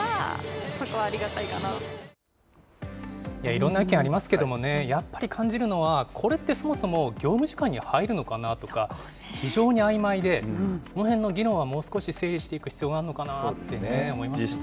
いろんな意見ありますけれどもね、やっぱり感じるのは、これってそもそも業務時間に入るのかなとか、非常にあいまいで、そのへんの議論はもう少し整理していく必要があるのかなって思いますよね。